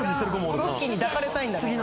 うっきーに抱かれたいんだね。